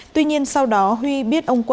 tuy nhiên sau đó huy biết ông quân